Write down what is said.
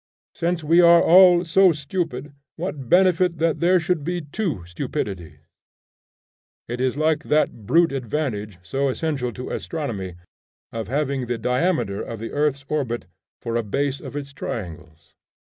Since we are all so stupid, what benefit that there should be two stupidities! It is like that brute advantage so essential to astronomy, of having the diameter of the earth's orbit for a base of its triangles.